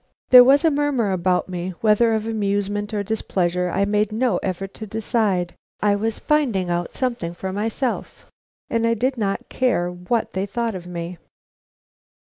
There was a murmur about me, whether of amusement or displeasure, I made no effort to decide. I was finding out something for myself, and I did not care what they thought of me.